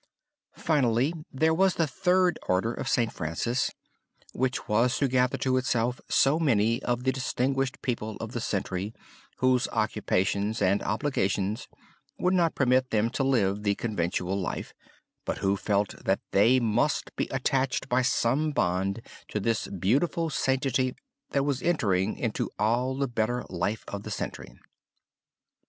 Finally there was the Third Order of St. Francis, which was to gather to itself so many of the distinguished people of the century whose occupations and obligations would not permit them to live the conventual life, but who yet felt that they must be attached by some bond to this beautiful sanctity that was entering into all the better life of the century.